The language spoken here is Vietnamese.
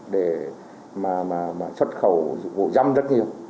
để mà xuất khẩu vụ dăm rất nhiều